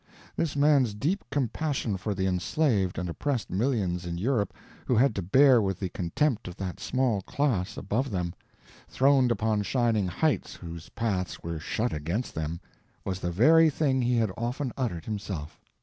This man's deep compassion for the enslaved and oppressed millions in Europe who had to bear with the contempt of that small class above them, throned upon shining heights whose paths were shut against them, was the very thing he had often uttered himself.